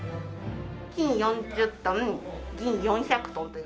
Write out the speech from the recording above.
金４０トン銀４００トンというふうに。